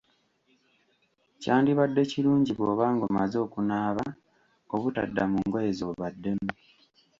Kyandibadde kirungi bw'oba ng'omaze okunaaba obutadda mu ngoye z'obaddemu.